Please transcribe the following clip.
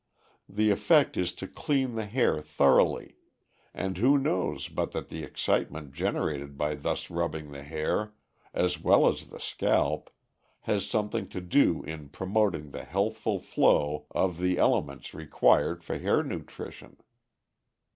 The effect is to clean the hair thoroughly, and who knows but that the excitement generated by thus rubbing the hair as well as the scalp has something to do in promoting the healthful flow of the elements required for hair nutrition?